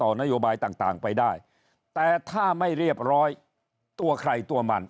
นโยบายต่างไปได้แต่ถ้าไม่เรียบร้อยตัวใครตัวมัน